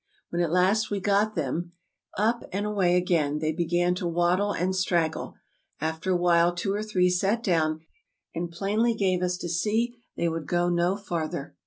When at last we got them up and away again, they began to waddle and straggle ; after a while two or three sat down, and plainly gave us to see they would go no farther.